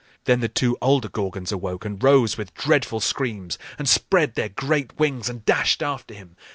Then the two older Gorgons awoke, and rose with dreadful screams, and spread their great wings, and dashed after him.